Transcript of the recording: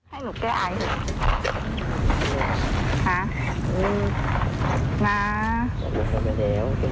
ให้หนูแก้ไอ